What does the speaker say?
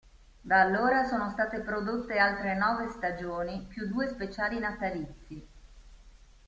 Da allora sono state prodotte altre nove stagioni, più due speciali natalizi.